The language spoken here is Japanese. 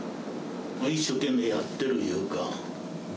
一生懸命やってるいうか。